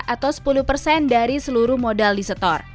atau sepuluh dari seluruh modal di setor